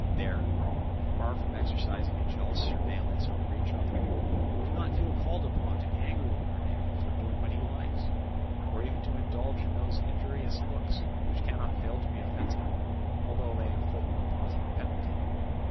There, far from exercising a jealous surveillance over each other, we do not feel called upon to be angry with our neighbour for doing what he likes, or even to indulge in those injurious looks which cannot fail to be offensive, although they inflict no positive penalty.